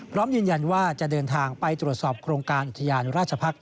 พร้อมยืนยันว่าจะเดินทางไปตรวจสอบโครงการอุทยานราชพักษ